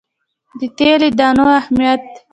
د تیلي دانو اهمیت.